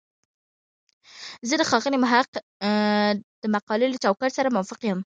زه د ښاغلي محق د مقالې له چوکاټ سره موافق یم.